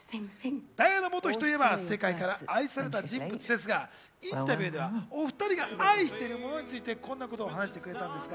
ダイアナ元妃といえば世界から愛された人物ですが、インタビューではお２人が愛しているものについて、こんなことを話してくれたんです。